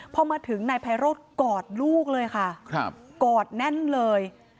พอมาถึงนายไพโรธกอดลูกเลยค่ะกอดแน่นเลย